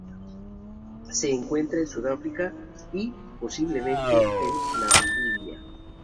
Se encuentra en Sudáfrica y, posiblemente, en Namibia.